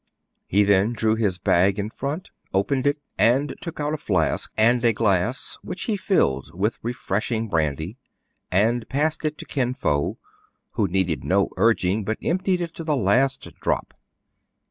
He then drew his bag in front, opened it, and took out a flask, and a glass which he filled with refreshing brandy, and passed to Kin Fo, who needed no urging, but emptied it to the last drop.